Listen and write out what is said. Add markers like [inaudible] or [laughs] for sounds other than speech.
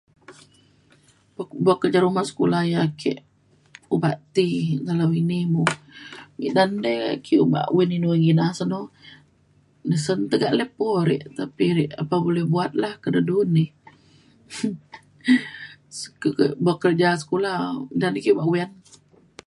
buk buk kerja rumah sekula yak ake obak ti dalau ini mo midan de ake obak uyan inu se nu. nesen tekak le po re tapi re apa boleh buat lah ke de du ni [laughs] s- buk kerja sekula da ni ke obak uyan.